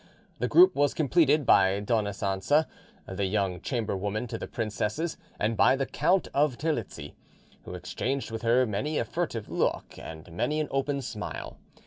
The group was completed by Dona Cancha, the young chamberwoman to the princesses, and by the Count of Terlizzi, who exchanged with her many a furtive look and many an open smile.